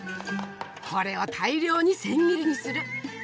これを大量に千切りにする！